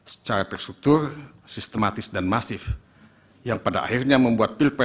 secara tersruktur sistematis dan masif yang pada akhirnya membuat pilpres dua ribu dua puluh empat